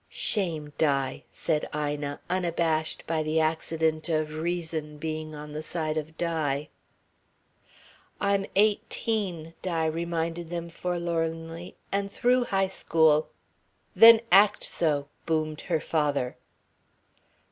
"Shame, Di," said Ina, unabashed by the accident of reason being on the side of Di. "I'm eighteen," Di reminded them forlornly, "and through high school." "Then act so," boomed her father.